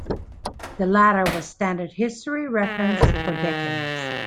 The latter was a standard history reference for decades.